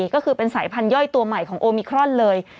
ก็คือเป็นสายพันธย่อยตัวใหม่ของโอมิครอนเลย